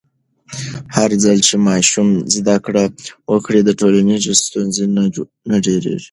هرځل چې ماشوم زده کړه وکړي، ټولنیز ستونزې نه ډېرېږي.